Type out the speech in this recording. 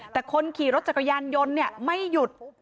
แต่คนขี่รถจักรยานยนต์ไม่หยุด